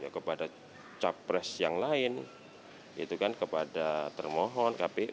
kepada capres yang lain itu kan kepada termohon kpu